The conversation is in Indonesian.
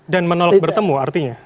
dan menolak bertemu artinya